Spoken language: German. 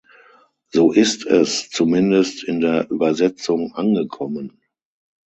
So ist es zumindest in der Übersetzung angekommen.